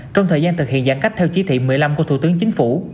trong thời gian thực hiện giãn cách theo chí thị một mươi năm của thủ tướng chính phủ